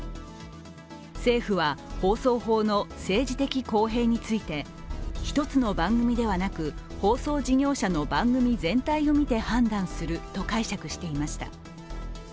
政府は放送法の政治的公平について一つの番組ではなく、放送事業者の番組全体を見て判断すると解釈していました。